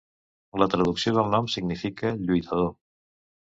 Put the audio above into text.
La traducció del nom significa lluitador.